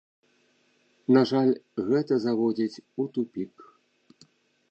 На жаль, гэта заводзіць у тупік.